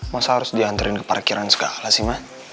masa harus diantarin ke parkiran segala sih mas